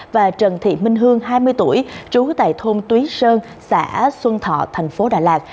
và trần thị minh hương hai mươi tuổi trú tại thôn túy sơn xã xuân thọ tp đà lạt